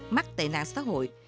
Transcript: mắc tệ nạn xã hội